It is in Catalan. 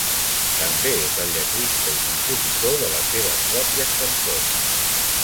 També és el lletrista i compositor de les seves pròpies cançons.